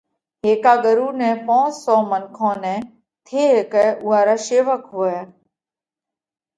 ھيڪا ڳرُو نئہ پونس سو منکون نئہ (ٿي ھيڪئھ اُوئا را شيوڪ ھوئہ)